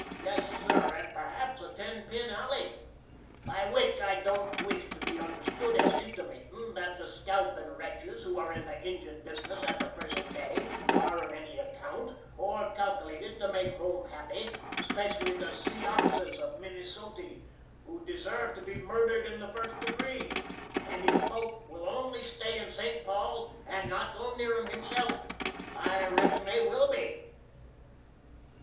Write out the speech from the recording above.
Yes, sir, and perhaps a ten pin alley. By which I don't wish to be understood as intimatin' that the scalpin' wretches who are in the injin bisness at the present day are of any account, or calculated to make home happy, specially the Sioxes of Minnesoty, who desarve to be murdered in the first degree, and if POPE will only stay in St. Paul and not go near 'em HIMSELF, I reckon they will be.